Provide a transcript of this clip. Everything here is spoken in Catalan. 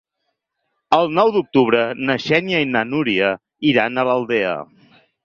El nou d'octubre na Xènia i na Núria iran a l'Aldea.